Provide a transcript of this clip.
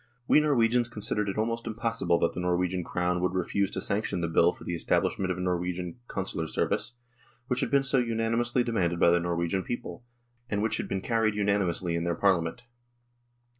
We Norwegians considered it almost impossible H 98 NORWAY AND THE UNION WITH SWEDEN that the Norwegian Crown would refuse to sanction the Bill for the establishment of a Norwegian Con sular Service, which had been so unanimously de manded by the Norwegian people, and which had been carried unanimously in their Parliament.